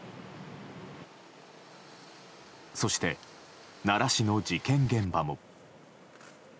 そして、奈良市の事件現場も。